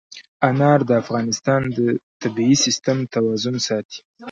انار د افغانستان د طبعي سیسټم توازن ساتي.